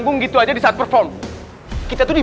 tunggu aja nanti